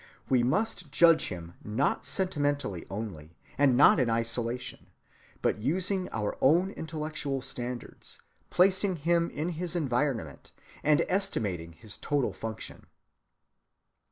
We must judge him not sentimentally only, and not in isolation, but using our own intellectual standards, placing him in his environment, and estimating his total function.